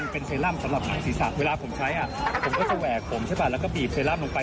เป็นเซรัมเพื่อหลังศีรษะเวลาผมใช้ผมก็จะแวะผมและปีบเซรัมลงไป